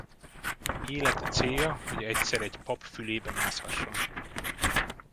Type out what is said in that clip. Élete célja, hogy egyszer egy pap fülébe mászhasson.